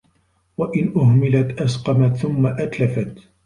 وَإِنْ أُهْمِلَتْ أَسْقَمَتْ ثُمَّ أَتْلَفَتْ